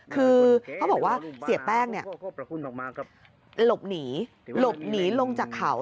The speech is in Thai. คือเขาบอกว่าเสียแป้งเนี่ยหลบหนีหลบหนีลงจากเขา